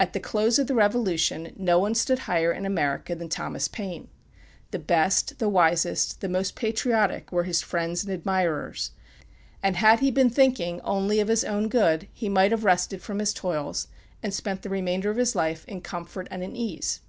At the close of the Revolution, no one stood higher in America than Thomas Paine. The best, the wisest, the most patriotic, were his friends and admirers; and had he been thinking only of his own good he might have rested from his toils and spent the remainder of his life in comfort, and in ease.